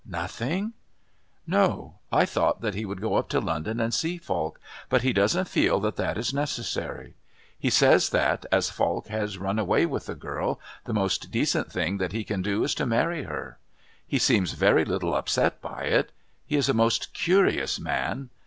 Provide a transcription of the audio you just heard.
"Nothing?" "No. I thought that he would go up to London and see Falk, but he doesn't feel that that is necessary. He says that, as Falk has run away with the girl, the most decent thing that he can do is to marry her. He seems very little upset by it. He is a most curious man.